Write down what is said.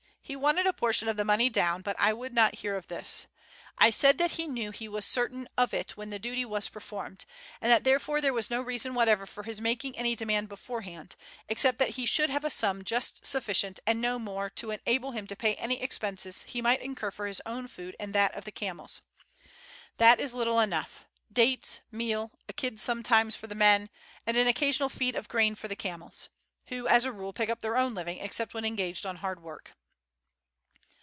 He wanted a portion of the money down, but I would not hear of this. I said that he knew he was certain of it when the duty was performed, and that therefore there was no reason whatever for his making any demand beforehand, except that he should have a sum just sufficient and no more to enable him to pay any expenses he might incur for his own food and that of the camels. That is little enough: dates, meal, a kid sometimes for the men, and an occasional feed of grain for the camels, who as a rule pick up their own living except when engaged on hard work."